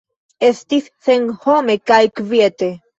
Estis senhome kaj kviete.